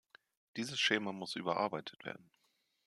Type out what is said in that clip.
Dieses Schema muss überarbeitet werden.